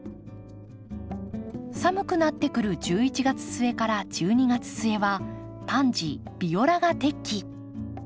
寒くなってくる１１月末１２月末はパンジービオラが適期。